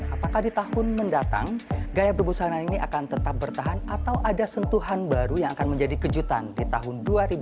apakah di tahun mendatang gaya berbusana ini akan tetap bertahan atau ada sentuhan baru yang akan menjadi kejutan di tahun dua ribu dua puluh